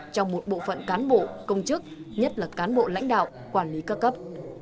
trong một bộ phận cán bộ công chức nhất là cán bộ lãnh đạo quản lý ca cấp